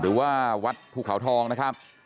หรือว่าวัดภูเขาทองนะครับ